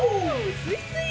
スイスイ！